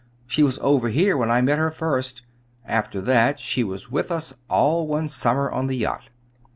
She was over here when I met her first. After that she was with us all one summer on the yacht.